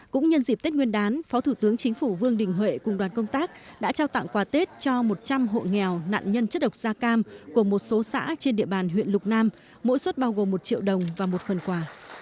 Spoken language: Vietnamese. cũng nhân dịp tết nguyên đán phó thủ tướng chính phủ vương đình huệ cùng đoàn công tác đã trao tặng quà tết cho một trăm linh hộ nghèo nạn nhân chất độc da cam của một số xã trên địa bàn huyện lục nam mỗi suất bao gồm một triệu đồng và một phần quà